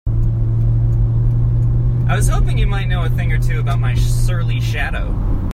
I was hoping you might know a thing or two about my surly shadow?